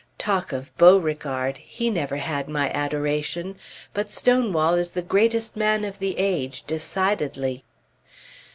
Talk of Beauregard! he never had my adoration; but Stonewall is the greatest man of the age, decidedly.